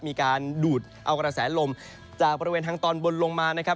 มีการดูดเอากระแสลมจากบริเวณทางตอนบนลงมานะครับ